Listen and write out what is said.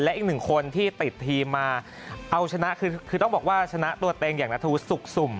และอีก๑คนที่ติดทีมมาเอาชนะคือคือต้องบอกว่าชนะตัวเองอย่างนัทธุสุกสุ่ม